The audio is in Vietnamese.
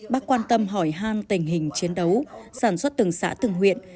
bác quan tâm hỏi hang tình hình chiến đấu sản xuất từng xã từng huyện